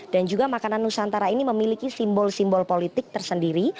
dan juga makanan nusantara ini memiliki simbol simbol politik tersendiri